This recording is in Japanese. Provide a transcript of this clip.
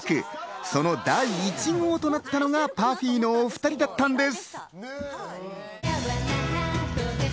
その第１号となったのがＰＵＦＦＹのお２人だったんです。